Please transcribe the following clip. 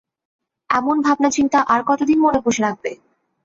এমন ভাবনা-চিন্তা আর কতদিন মনে পুষে রাখবে?